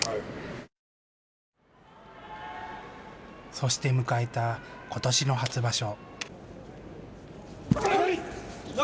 そして迎えたことしの初場所。